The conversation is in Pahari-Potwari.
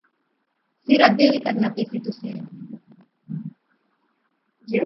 فیر اگے وی کرنا پہسی تسیں